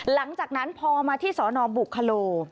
หลังจากนั้นพอมาที่สนบุคโล